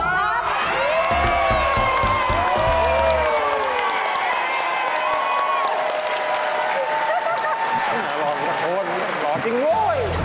หล่อแบบตะโกนหล่อจริงด้วย